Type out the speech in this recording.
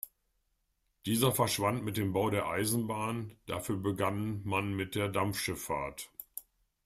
Dieser verschwand mit dem Bau der Eisenbahn, dafür begann man mit der Dampfschifffahrt.